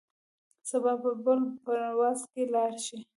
سبا به بل پرواز کې لاړ شې.